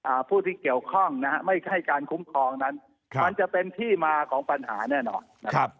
ผู้ที่เกี่ยวข้องนะฮะไม่ใช่การคุ้มครองนั้นครับมันจะเป็นที่มาของปัญหาแน่นอนนะครับ